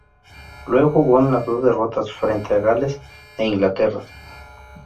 Luego jugó en las dos derrotas, frente a Gales e Inglaterra.